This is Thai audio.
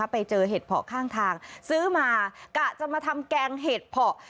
ไปเจอเห็ดเพาะข้างทางซื้อมากะจะมาทำแกงเห็ดเพาะ